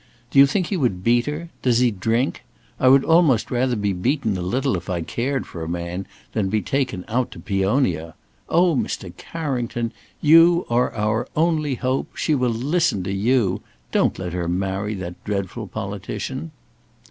Do you think he would beat her? Does he drink? I would almost rather be beaten a little, if I cared for a man, than be taken out to Peonia. Oh, Mr. Carrington! you are our only hope. She will listen to you. Don't let her marry that dreadful politician."